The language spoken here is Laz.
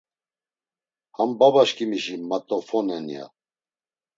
Ham babaşǩimişi mat̆ofone’n, ya.